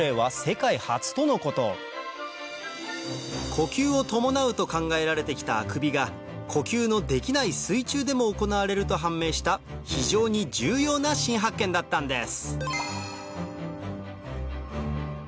呼吸を伴うと考えられて来たあくびが呼吸のできない水中でも行われると判明した非常に重要な新発見だったんです